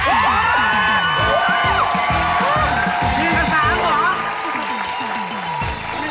มีสร้างเหรอ